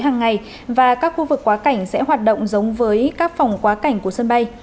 hàng ngày và các khu vực quá cảnh sẽ hoạt động giống với các phòng quá cảnh của sân bay